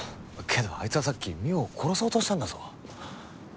けどあいつはさっき望緒を殺そうとしたんだぞ。